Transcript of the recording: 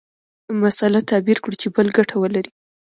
مسأله تعبیر کړو چې بل ګټه ولري.